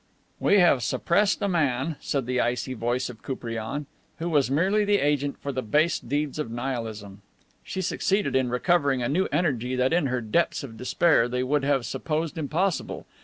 "We have suppressed a man," said the icy voice of Koupriane, "who was merely the agent for the base deeds of Nihilism." She succeeded in recovering a new energy that in her depths of despair they would have supposed impossible.